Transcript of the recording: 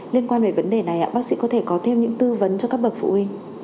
liên quan về vấn đề này bác sĩ có thể có thêm những tư vấn cho các bậc phụ huynh